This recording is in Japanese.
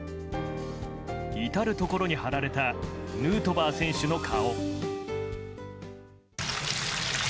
至るところに貼られたヌートバー選手の顔。